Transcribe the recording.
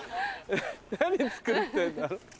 何作ってんだ？